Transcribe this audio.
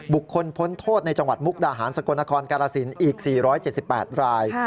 พ้นโทษในจังหวัดมุกดาหารสกลนครกาลสินอีก๔๗๘ราย